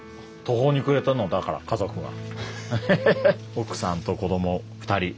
奥さんと子ども２人。